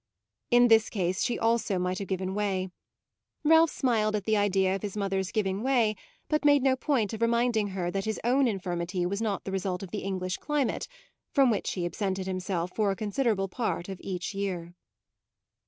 In this case she also might have given way. Ralph smiled at the idea of his mother's giving way, but made no point of reminding her that his own infirmity was not the result of the English climate, from which he absented himself for a considerable part of each year.